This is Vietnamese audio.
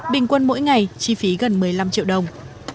bình quân mỗi ngày chi phí gần một mươi năm triệu đồng